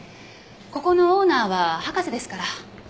ここのオーナーは博士ですから。